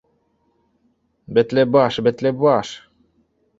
— Бетле баш, бетле баш.